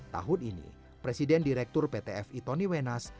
tahun ini presiden direktur pt fi tony wenas